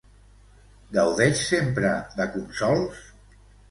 Gaudeix sempre de consols?